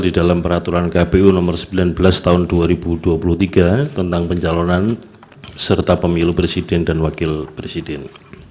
di dalam peraturan kpu nomor sembilan belas tahun dua ribu dua puluh tiga tentang pencalonan serta pemilu presiden dan wakil presiden